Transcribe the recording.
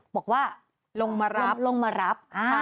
บอกว่าลงมารับ